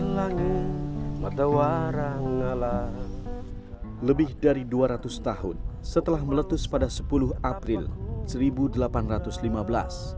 seribu orang orang yang berada di seluruh dunia